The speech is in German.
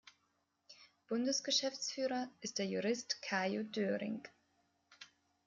Bundesgeschäftsführer ist der Jurist Kajo Döhring.